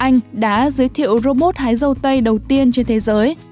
anh đã giới thiệu robot hái dâu tây đầu tiên trên thế giới